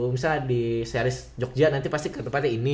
misalnya di series jogja nanti pasti ke tempat ini